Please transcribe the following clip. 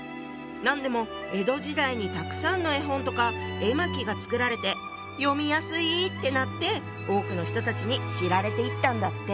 なんでも江戸時代にたくさんの絵本とか絵巻が作られて読みやすい！ってなって多くの人たちに知られていったんだって。